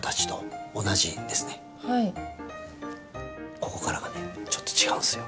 ここからがねちょっと違うんですよ。